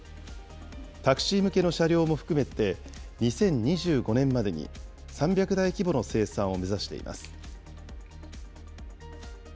タクシー向けの車両も含めて、２０２５年までに３００台規模の生産を目指しています。